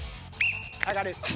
上がる。